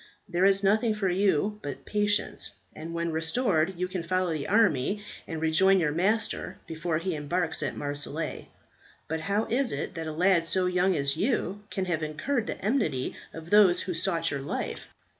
There is nothing for you but patience, and when restored you can follow the army, and rejoin your master before he embarks at Marseilles. But how is it that a lad so young as you can have incurred the enmity of those who sought your life?